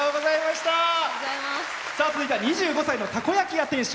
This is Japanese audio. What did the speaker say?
続いては２５歳のたこ焼き屋店主。